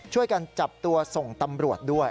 ช่วยกันจับตัวส่งตำรวจด้วย